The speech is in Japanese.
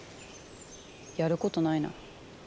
やることないな。